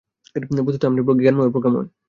বস্তুত আপনি জ্ঞানময় ও প্রজ্ঞাময়।